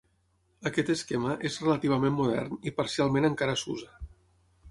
Aquest esquema és relativament modern i parcialment encara s'usa.